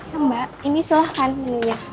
ya mbak ini silahkan menunya